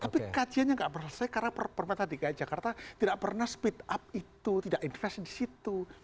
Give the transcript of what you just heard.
tapi kajiannya tidak berhasil karena pemerintah dki jakarta tidak pernah speed up itu tidak invest di situ